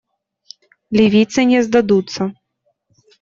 Ливийцы не сдадутся.